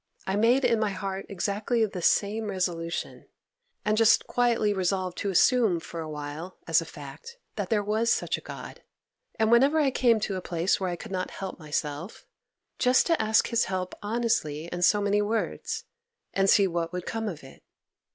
I made in my heart exactly the same resolution, and just quietly resolved to assume for a while, as a fact, that there was such a God, and whenever I came to a place where I could not help myself, just to ask His help honestly in so many words, and see what would come of it.